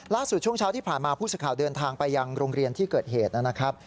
ช่วงเช้าที่ผ่านมาผู้สื่อข่าวเดินทางไปยังโรงเรียนที่เกิดเหตุนะครับ